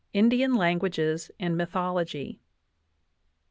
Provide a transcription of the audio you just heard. INDIAN LANGUAGES AND MYTHOLOGY.